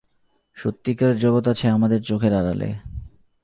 সত্যিকার জগৎ আছে আমাদের চোখের আড়ালে!